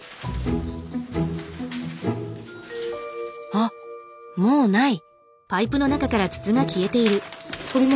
あっもうない。